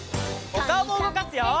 おかおもうごかすよ！